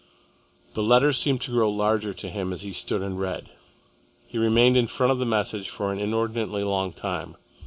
The letters seemed to grow larger to him as he stood and read. He remained in front of the message for an inordinately long time.